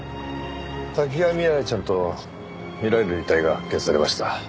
多岐川未来ちゃんとみられる遺体が発見されました。